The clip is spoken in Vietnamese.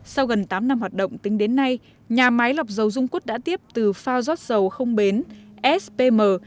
sau gần tám năm hoạt động tính đến nay nhà máy lọc dầu dung quất đã tiếp từ phao giót dầu không bến spm